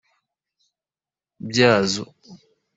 Byazo.